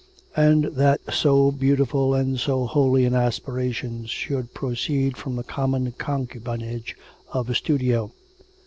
And that so beautiful and so holy an aspiration should proceed from the common concubinage of a studio!